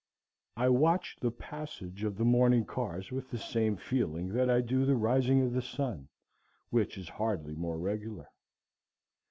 I watch the passage of the morning cars with the same feeling that I do the rising of the sun, which is hardly more regular.